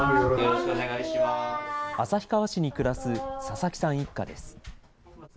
旭川市に暮らす佐々木さん一家です。